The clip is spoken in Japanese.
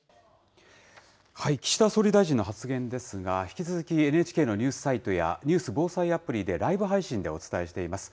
岸田総理大臣の発言ですが、引き続きＮＨＫのニュースサイトやニュース・防災アプリでライブ配信でお伝えしています。